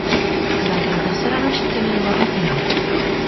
Durante la tercera noche tiene lugar la final.